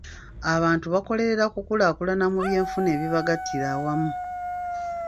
Abantu bakolerera kukulaakulana mu byenfuna ebibagattira awamu.